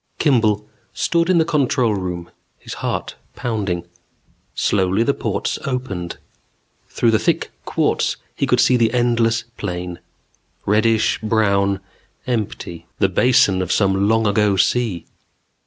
Kimball stood in the control room, his heart pounding. Slowly, the ports opened. Through the thick quartz he could see the endless plain. Reddish brown, empty. The basin of some long ago sea.